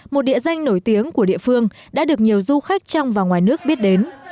một địa danh nổi tiếng của địa phương đã được nhiều du khách trong và ngoài nước biết đến